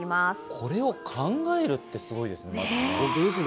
これを考えるってすごいですね。